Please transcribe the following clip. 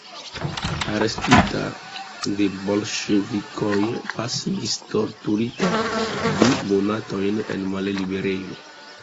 Arestita de bolŝevikoj pasigis, torturita, du monatojn en malliberejo.